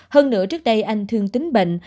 hơn nửa trước đây anh thương tín bệnh